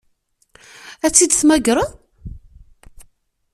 Ad tt-id-temmagreḍ?